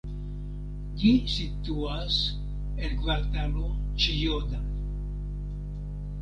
Ĝi situas en Kvartalo Ĉijoda.